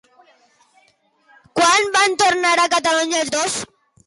Quan van tornar a Catalunya els dos?